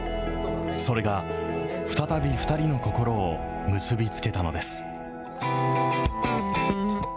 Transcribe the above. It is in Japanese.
それが、再び２人の心を結び付けたのです。